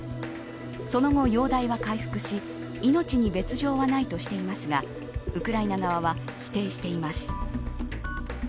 その後、容体は回復し命に別条はないとしていますがウクライナ側は否定しています。